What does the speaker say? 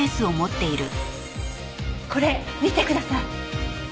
これ見てください。